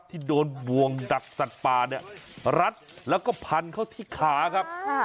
ที่โดนบวงดักสัตว์ป่าเนี่ยรัดแล้วก็พันเข้าที่ขาครับ